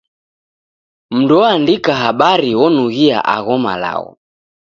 Mndu oandika habari onughia agho malagho.